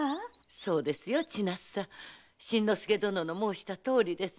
そうですよ新之助殿の申したとおりです。